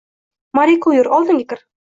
— Moriko, yur, oldimga kir!